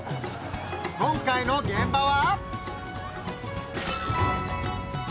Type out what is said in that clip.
今回の現場は？